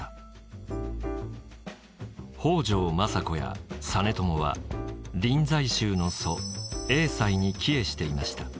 北条政子や実朝は臨済宗の祖栄西に帰依していました。